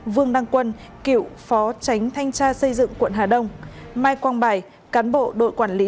vương đăng quân cựu phó tránh thanh tra xây dựng quận hà đông mai quang bài cán bộ đội quản lý